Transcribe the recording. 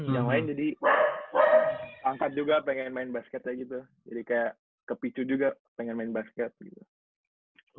yang lain jadi angkat juga pengen main basketnya gitu jadi kayak kepicu juga pengen main basket gitu